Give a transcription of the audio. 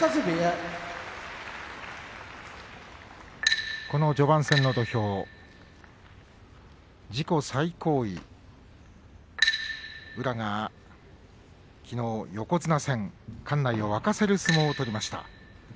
部屋序盤戦の土俵自己最高位、宇良がきのう横綱戦館内を沸かせる相撲を取りました。